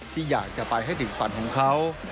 ที่อยากจะไปให้ติดฝันของเขา